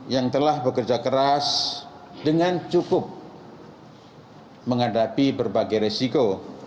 yang telah bekerja keras dengan cukup menghadapi berbagai resiko